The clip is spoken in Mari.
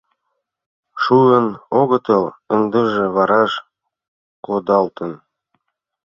— Шуын огытыл, ындыже вараш кодалтын».